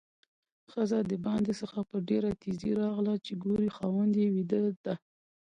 ښځه د باندې څخه په ډېره تیزۍ راغله چې ګوري خاوند یې ويده ده؛